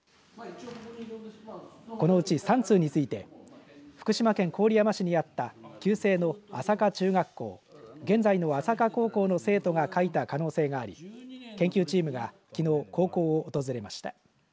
このうち３通について福島県郡山市にあった旧制の安積中学校現在の安積高校の生徒が書いた可能性があり研究チームが、きのう高校を訪れました。